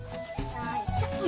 よいしょ。